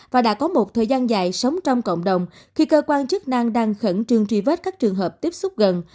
và đã có một thời gian dài sống trong cộng đồng khi cơ quan chức năng đang khẩn trương truy vết các trường hợp tiếp xúc gần